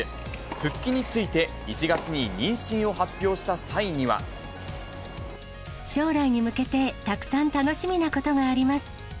復帰について、１月に妊娠を発表将来に向けてたくさん楽しみなことがあります。